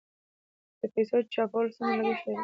د پیسو چاپول څومره لګښت لري؟